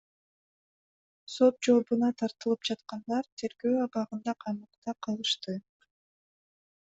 Сот жообуна тартылып жаткандар тергөө абагында камакта калышты.